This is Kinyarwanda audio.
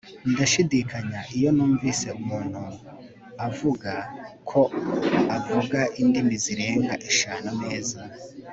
Ndashidikanya iyo numvise umuntu avuga ko avuga indimi zirenga eshanu neza